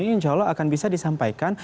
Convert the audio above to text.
jadi insya allah akan bisa disampaikan